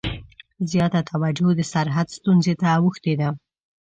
زیاته توجه د سرحد ستونزې ته اوښتې ده.